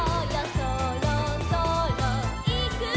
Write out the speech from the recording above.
「そろそろいくよ」